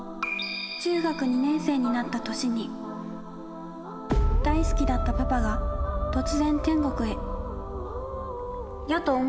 中学２年生になった年に大好きだったパパが突然天国へ。